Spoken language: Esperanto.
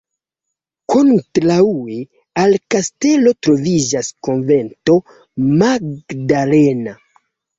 Kontraŭe al la kastelo troviĝas Konvento magdalena.